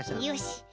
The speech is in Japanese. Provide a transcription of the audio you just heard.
よし。